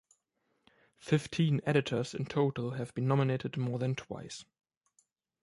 Fifteen editors in total have been nominated more than twice.